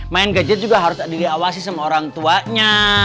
main gadget juga harus diawasi sama orang tuanya